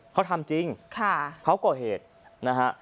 เค้าทำจริงเค้าก็เอตนะฮะ